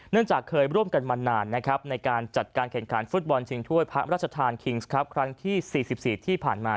เนื่องจากเคยร่วมกันมานานในการจัดการแข่งการฟุตบอลชิงถ้วยภาคราชธานคิงส์ครั้งที่๔๔ที่ผ่านมา